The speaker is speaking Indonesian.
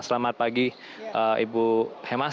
selamat pagi ibu hemas